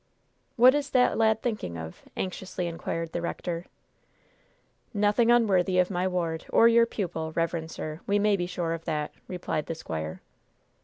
"What is that lad thinking of?" anxiously inquired the rector. "Nothing unworthy of my ward, or your pupil, reverend sir, we may be sure of that!" replied the squire.